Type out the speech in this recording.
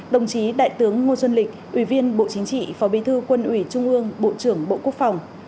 đồng chí đại tướng ngô xuân lịch ủy viên bộ chính trị phó bí thư quân ủy trung ương bộ trưởng bộ quốc phòng